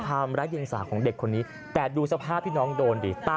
ตามรักแยงสารคนของเด็กคนนี้แต่ดูสภาพที่น้องโดน